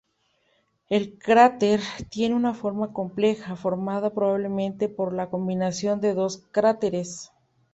El cráter tiene una forma compleja, formada probablemente por la combinación de dos cráteres.